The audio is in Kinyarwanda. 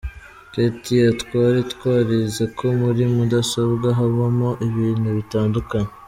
Ketia: Twari twarize ko muri mudasobwa habamo ibintu bitandukanye.